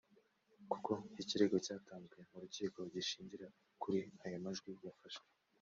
kuko ikirego cyatanzwe mu rukiko gishingira kuri ayo majwi yafashwe